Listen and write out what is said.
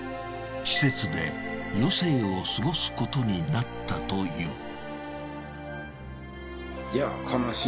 施設で余生を過ごすことになったという。